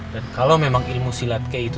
dan kalau memang ilmu silat kay itu